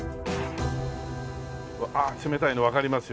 あっ冷たいのわかりますよ。